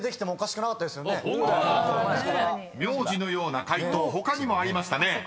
［名字のような解答他にもありましたね］